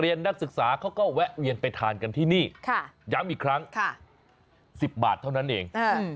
ย้ำอีกครั้ง๑๐บาทเท่านั้นเอง